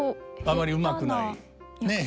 あまりうまくないねえ